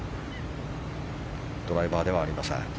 ドライバーではありません。